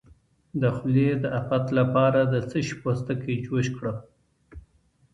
د خولې د افت لپاره د څه شي پوستکی جوش کړم؟